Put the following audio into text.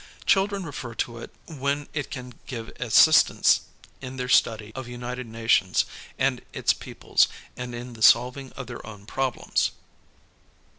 Children refer to it when it can give assistance in their study of United Nations and its peoples and in the solving of their own problems.